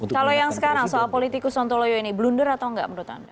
kalau yang sekarang soal politikus sontoloyo ini blunder atau enggak menurut anda